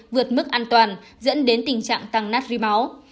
vượt mức an toàn dẫn đến tình trạng tăng natri máu